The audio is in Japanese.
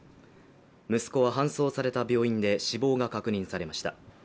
息子は搬送された病院で死亡が確認されました。